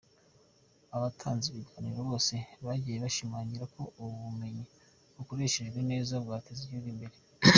Abatanze ibiganiro bose bagiye bashimangira ko ubu bumenyi bukoreshejwe neza bwateza igihugu imbere.